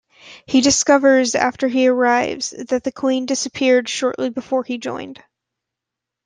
He discovers after he arrives that the Queen disappeared shortly before he joined.